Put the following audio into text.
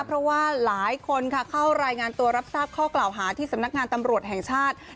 เพราะว่าหลายคนค่ะเข้ารายงานตัวรับทราบข้อกล่าวหาที่สำนักงานตำรวจแห่งชาติ